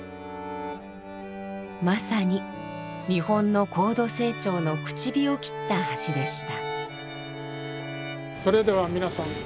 まさに日本の高度成長の口火を切った橋でした。